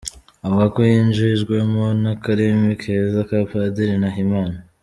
Avuga ko yinjijwemo n’akarimi keza ka Padiri Nahimana.